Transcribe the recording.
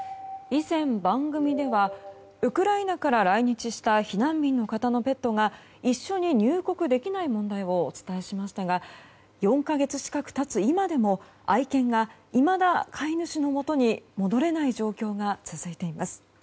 以前、番組ではウクライナから来日した避難民の方のペットが一緒に入国できない問題をお伝えしましたが４か月近く経つ今でも愛犬が、いまだ飼い主のもとに戻れない状況が続いています。